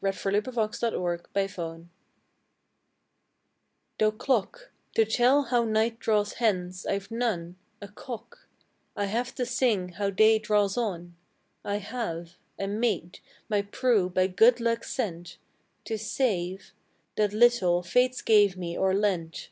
HIS GRANGE, OR PRIVATE WEALTH Though clock, To tell how night draws hence, I've none, A cock I have to sing how day draws on: I have A maid, my Prue, by good luck sent, To save That little, Fates me gave or lent.